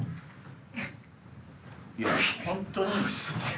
⁉いや本当に。